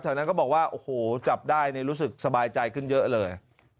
นั้นก็บอกว่าโอ้โหจับได้รู้สึกสบายใจขึ้นเยอะเลย